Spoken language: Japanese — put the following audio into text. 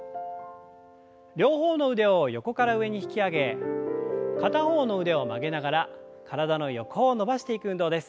両方の腕を横から上に引き上げ片方の腕を曲げながら体の横を伸ばしていく運動です。